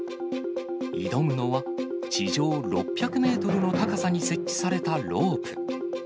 挑むのは、地上６００メートルの高さに設置されたロープ。